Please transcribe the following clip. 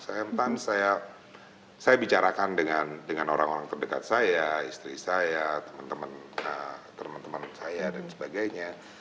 saya mentan saya bicarakan dengan orang orang terdekat saya istri saya teman teman saya dan sebagainya